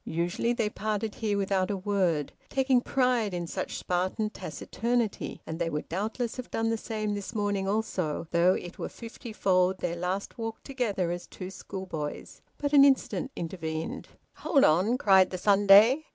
Usually they parted here without a word, taking pride in such Spartan taciturnity, and they would doubtless have done the same this morning also, though it were fifty fold their last walk together as two schoolboys. But an incident intervened. "Hold on!" cried the Sunday.